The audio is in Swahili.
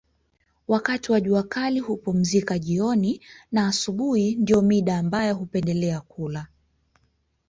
Wakati wa jua kali hupumzika jioni na asubuhi ndio mida ambayo hupendelea kula